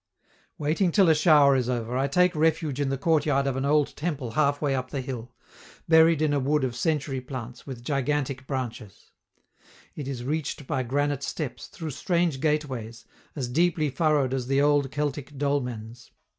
Waiting till a shower is over, I take refuge in the courtyard of an old temple halfway up the hill, buried in a wood of century plants with gigantic branches; it is reached by granite steps, through strange gateways, as deeply furrowed as the old Celtic dolmens.